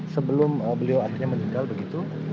sebelum beliau akhirnya meninggal begitu